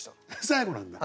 最後なんだ。